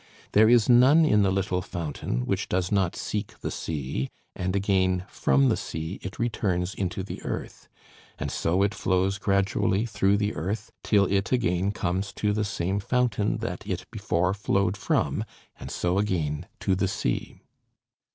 There is none in the little fountain, which does not seek the sea, and again from the sea it returns into the earth, and so it flows gradually through the earth, till it again comes to the same fountain that it before flowed from, and so again to the sea.